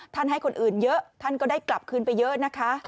ให้คนอื่นเยอะท่านก็ได้กลับคืนไปเยอะนะคะ